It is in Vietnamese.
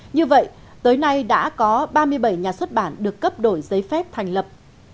như vậy tới nay đã có ba mươi bảy nhà xuất bản được cấp đổi giấy phép thành lập